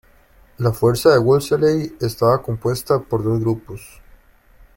La fuerza de Wolseley estaba compuesta por dos grupos.